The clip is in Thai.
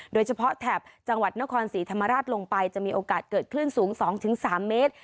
แถบจังหวัดนครศรีธรรมราชลงไปจะมีโอกาสเกิดคลื่นสูง๒๓เมตร